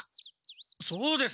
そうです。